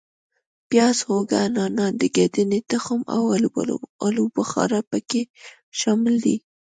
پیاز، هوګه، نانا، د ګدنې تخم او آلو بخارا په کې شامل دي.